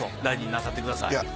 大事になさってください。